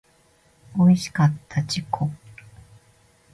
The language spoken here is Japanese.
おいしかった自己